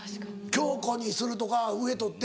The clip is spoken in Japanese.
「京子」にするとか上取って。